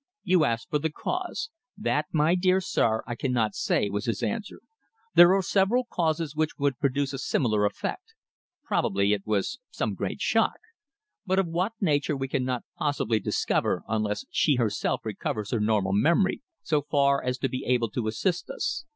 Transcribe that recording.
"You ask me for the cause. That, my dear sir, I cannot say," was his answer. "There are several causes which would produce a similar effect. Probably it was some great shock. But of what nature we cannot possibly discover unless she herself recovers her normal memory so far as to be able to assist us.